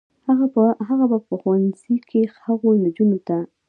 هغه به په ښوونځي کې هغو نجونو ته